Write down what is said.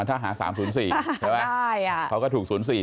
ถ้าหา๓๐๔เขาก็ถูกศูนย์๔ไป